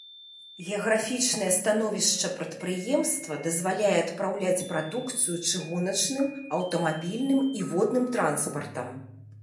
Геаграфічнае становішча прадпрыемства дазваляе адпраўляць прадукцыю чыгуначным, аўтамабільным і водным транспартам.